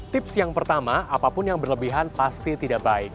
tips yang pertama apapun yang berlebihan pasti tidak baik